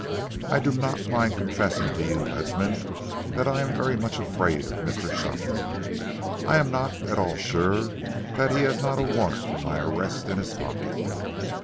I do not mind confessing to you, Ledsam, that I am very much afraid of Mr. Shopland. I am not at all sure that he has not a warrant for my arrest in his pocket."